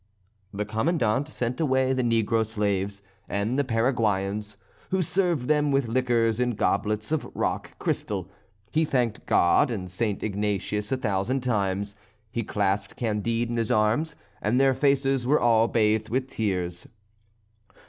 The Commandant sent away the negro slaves and the Paraguayans, who served them with liquors in goblets of rock crystal. He thanked God and St. Ignatius a thousand times; he clasped Candide in his arms; and their faces were all bathed with tears.